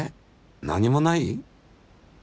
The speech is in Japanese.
何もない？